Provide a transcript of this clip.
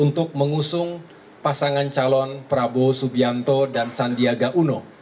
untuk mengusung pasangan calon prabowo subianto dan sandiaga uno